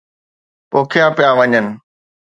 پوکيا پيا وڃن.